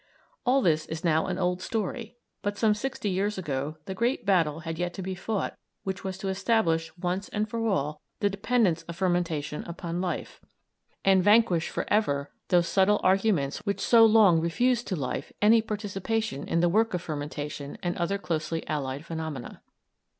All this is now an old story, but some sixty years ago the great battle had yet to be fought which was to establish once and for all the dependence of fermentation upon life, and vanquish for ever those subtle arguments which so long refused to life any participation in the work of fermentation and other closely allied phenomena.